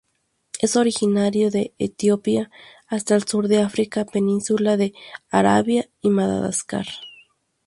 Es originario de Etiopía hasta el sur de África, península de Arabia y Madagascar.